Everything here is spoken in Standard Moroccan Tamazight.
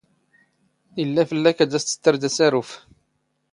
ⵉⵍⵍⴰ ⴼⵍⵍⴰⴽ ⴰⴷ ⴰⵙ ⵜⴻⵜⵜⵔⴷ ⴰⵙⴰⵔⵓⴼ.